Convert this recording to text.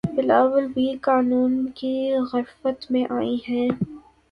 بلاول بھی قانون کی گرفت میں آتے ہیں